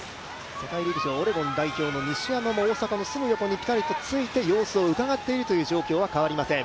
世界陸上オレゴン代表の西山も大迫の横にピタリとついて様子をうかがっているという状況は変わりません。